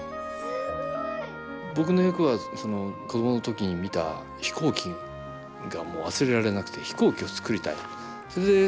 僕の役はその子供の時に見た飛行機が忘れられなくて飛行機を作りたい。